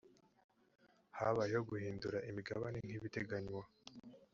habayeho guhindura imigabane nkibiteganywa .